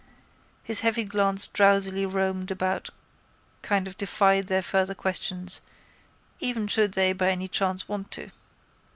His heavy glance drowsily roaming about kind of defied their further questions even should they by any chance want to.